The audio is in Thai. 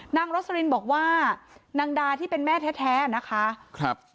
รสลินบอกว่านางดาที่เป็นแม่แท้นะคะครับ